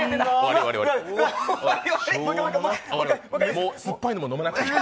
もう、酸っぱいのも飲まなくていい。